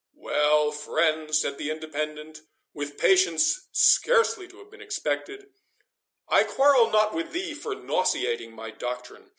"Well, friend," said the Independent, with patience scarcely to have been expected, "I quarrel not with thee for nauseating my doctrine.